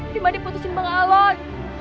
dima diputusin pengalon